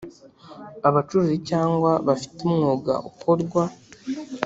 abacuruzi cyangwa bafite umwuga ukorwa